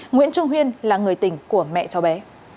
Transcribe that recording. nguyễn trung huyên là người tình của mẹ cháu bé